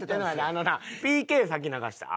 あのなＰＫ先流した？